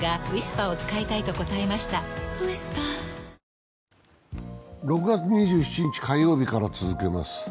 ニトリ６月２７日火曜日から続けます。